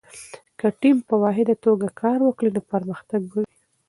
که ټیم په واحده توګه کار وکړي، نو پرمختګ به وي.